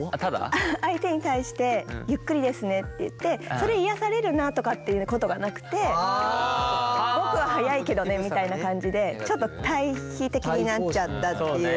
相手に対してゆっくりですねって言ってそれ癒やされるなとかっていうことがなくて僕は速いけどねみたいな感じでちょっと対比的になっちゃったっていう。